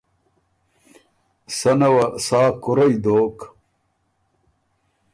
سنه وه سا کُرئ دوک